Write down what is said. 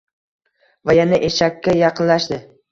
Va yana eshakka yaqinlashdi.